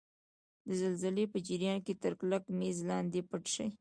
د زلزلې په جریان کې تر کلک میز لاندې پټ شئ.